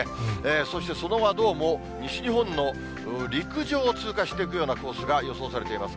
そしてその後はどうも西日本の陸上を通過していくようなコースが予想されています。